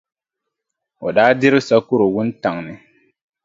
O daa diri sakɔro wuntaŋ ni.